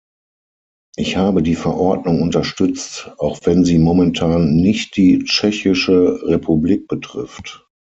Ich habe die Verordnung unterstützt, auch wenn sie momentan nicht die Tschechische Republik betrifft.